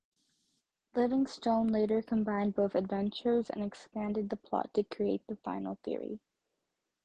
Livingstone later combined both adventures and expanded the plot to create the final story.